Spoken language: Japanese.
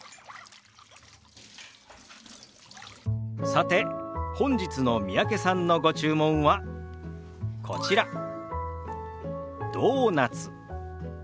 さて本日の三宅さんのご注文はこちら「ドーナツ」。